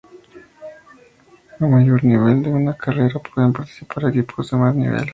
A mayor nivel de una carrera pueden participar equipos de más nivel.